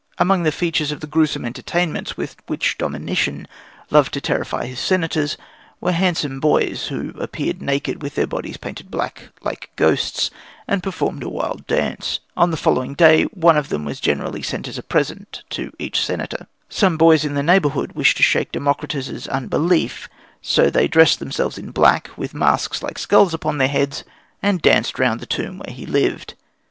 Among the features of the gruesome entertainments with which Domitian loved to terrify his Senators were handsome boys, who appeared naked with their bodies painted black, like ghosts, and performed a wild dance. On the following day one of them was generally sent as a present to each Senator. Some boys in the neighbourhood wished to shake Democritus's unbelief, so they dressed themselves in black with masks like skulls upon their heads and danced round the tomb where he lived.